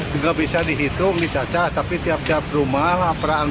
tidak bisa dihitung dicaca tapi tiap tiap rumah perang